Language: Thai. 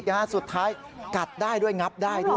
กันสักหน่อยนะฮะ